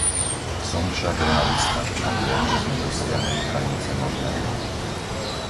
Som však realista a viem, že sme dosiahli hranice možného.